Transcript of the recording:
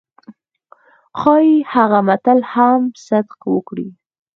ښايي هغه متل هم صدق وکړي.